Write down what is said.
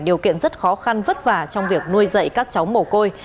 điều kiện rất khó khăn vất vả trong việc nuôi dạy các cháu mồ côi